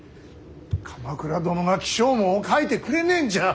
鎌倉殿が起請文を書いてくれねえんじゃ。